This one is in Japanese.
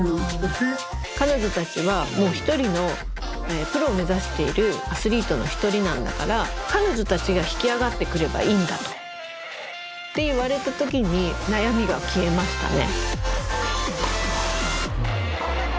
彼女たちはもう一人のプロを目指しているアスリートの一人なんだから彼女たちが引き上がってくればいいんだと。って言われた時に悩みが消えましたね。